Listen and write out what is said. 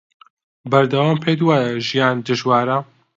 بەردەوام پێت وایە ژیان دژوارە